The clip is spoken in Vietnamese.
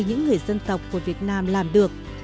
những người dân tộc của việt nam làm được